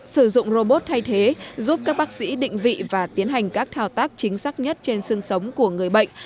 sử dụng robot thay thế giúp các bác sĩ định vị và tiến hành các thao tác chính xác nhất trên xương sống của người bệnh